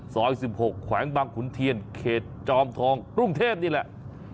ซอย๑๖แขวงบางขุนเทียนเขตจอมทองกรุงเทพนี่แหละ